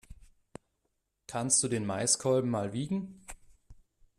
Kannst du den Maiskolben mal wiegen?